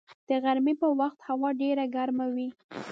د غرمې په وخت هوا ډېره ګرمه وي